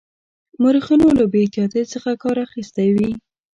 مورخینو له بې احتیاطی څخه کار اخیستی وي.